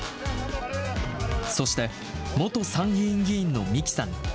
そして、元参議院議員の三木さん。